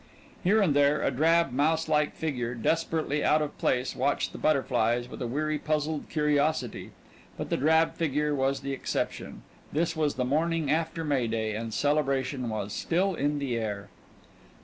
Here and there a drab, mouse like figure, desperately out of place, watched the butterflies with a weary, puzzled curiosity. But the drab figure was the exception. This was the morning after May Day, and celebration was still in the air.